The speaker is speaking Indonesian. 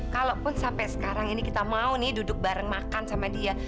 kalaupun sampai sekarang ini kita mau nih duduk bareng makan sama dia